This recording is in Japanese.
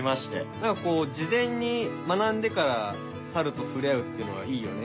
なんかこう事前に学んでから猿とふれあうっていうのはいいよね。